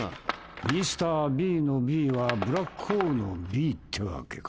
ミスターＢの「Ｂ」はブラックホールの「Ｂ」ってわけか。